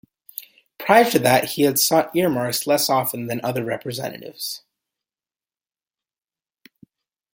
Prior to that he had sought earmarks less often than other representatives.